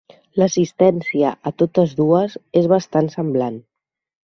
L'assistència a totes dues és bastant semblant.